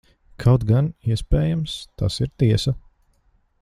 Kaut gan, iespējams, tas ir tiesa.